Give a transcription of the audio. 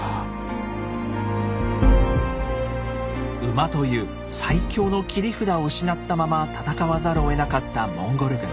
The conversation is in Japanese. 「馬」という最強の切り札を失ったまま戦わざるをえなかったモンゴル軍。